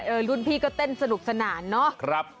รุ่นพี่ก็เต้นสนุกสนานเนาะ